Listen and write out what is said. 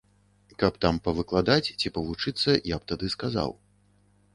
Каб там павыкладаць ці павучыцца, я б тады сказаў.